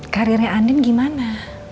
karirnya andien gimana